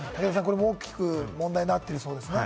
これも大きく問題になってるそうですね。